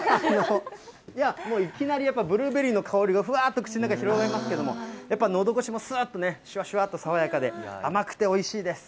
いや、もういきなり、ブルーベリーの香りがふわっと口の中に広がりますけれども、やっぱりのどごしもすーっと、しゅわしゅわっと爽やかで、甘くておいしいです。